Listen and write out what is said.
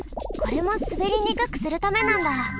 これもすべりにくくするためなんだ。